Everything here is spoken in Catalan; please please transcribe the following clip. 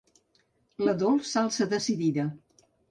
La Dols s'alça decidida.